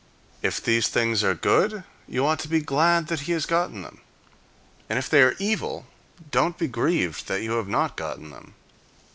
If these things are good, you ought to be glad that he has gotten them; and if they are evil, don't be grieved that you have not gotten them.